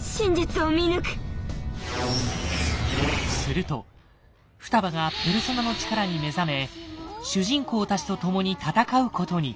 すると双葉がペルソナの力に目覚め主人公たちとともに戦うことに。